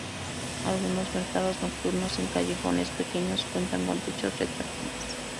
Algunos mercados nocturnos en callejones pequeños cuentan con techos retráctiles.